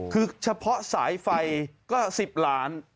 คือเฉพาะสายไฟก็๑๐ล้าน